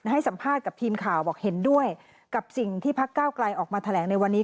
ให้สัมภาษณ์กับทีมข่าวบอกเห็นด้วยกับสิ่งที่พักเก้าไกลออกมาแถลงในวันนี้